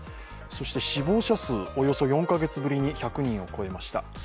そして死亡者数、およそ４カ月ぶりに１００人を超えました。